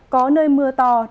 có nơi mưa to